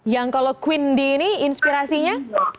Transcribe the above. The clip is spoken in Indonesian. yang kalau queen d ini inspirasinya